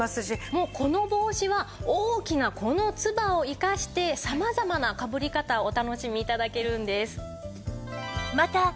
もうこの帽子は大きなこのツバを生かして様々なかぶり方をお楽しみ頂けるんです。